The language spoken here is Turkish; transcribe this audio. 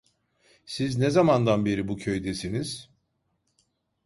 Siz ne zamandan beri bu köydesiniz?